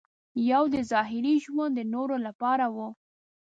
یو دې ظاهري ژوند د نورو لپاره و.